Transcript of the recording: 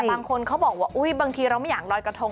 บางคนเขาบอกว่าบางทีเราไม่อยากลอยกระทง